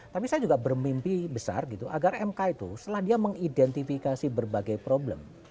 tapi saya juga bermimpi besar gitu agar mk itu setelah dia mengidentifikasi berbagai problem